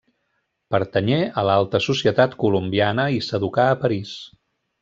Pertanyé a l'alta societat colombiana i s'educà a París.